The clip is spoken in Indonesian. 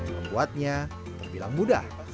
membuatnya terbilang mudah